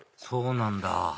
そうなんだ